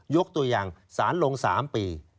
ยกตัวอย่างสารลง๓ปี